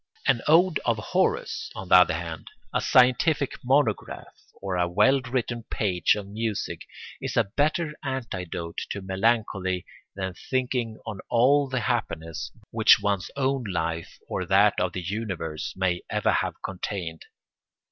An ode of Horace, on the other hand, a scientific monograph, or a well written page of music is a better antidote to melancholy than thinking on all the happiness which one's own life or that of the universe may ever have contained.